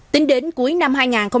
tính đến cuối năm hai nghìn hai mươi ba